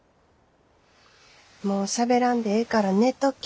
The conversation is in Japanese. もうしゃべらんでええから寝とき。